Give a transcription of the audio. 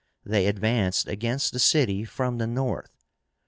They advanced against the city from the north.